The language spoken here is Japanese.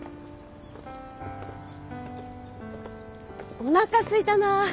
おなかすいたな。